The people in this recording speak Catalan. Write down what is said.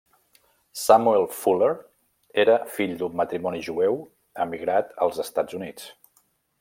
Samuel Fuller era fill d’un matrimoni jueu emigrat als Estats Units.